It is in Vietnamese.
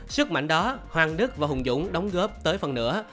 sức mạnh đó hoàng đức và hùng dũng đóng góp tới phần nữa